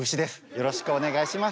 よろしくお願いします。